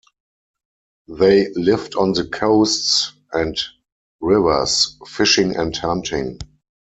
They lived on the coasts and rivers, fishing and hunting.